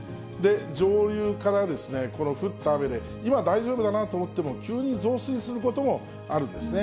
上流から降った雨で、今大丈夫だなと思っても、急に増水することもあるんですね。